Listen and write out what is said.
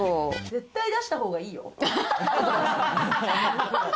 絶対、出したほうがいいよ！